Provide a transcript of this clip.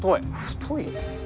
太い？